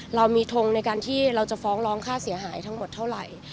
เรามีทงในการที่เราจะฟ้องร้องค่าเสียหายทั้งหมดเท่าไหร่